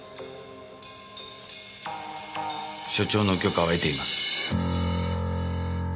署長の許可を得ています。